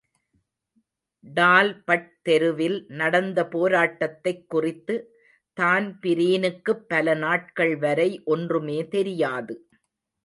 Talbot தெருவில் நடந்த போராட்டத்தைக் குறித்து தான்பிரீனுக்குப் பல நாட்கள் வரை ஒன்றுமே தெரியாது.